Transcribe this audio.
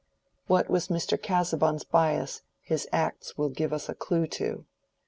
What was Mr. Casaubon's bias his acts will give us a clew to.